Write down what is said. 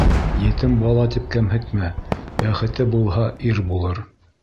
Етем бала тип кәмһетмә: бәхете булһа, ир булыр.